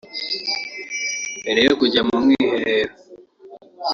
Mbere yo kujya mu mwiherero